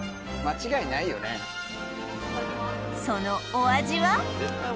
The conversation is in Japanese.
そのお味は？